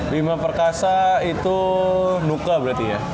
bima perkasa itu luka berarti ya